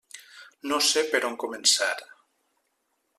No sé per on començar.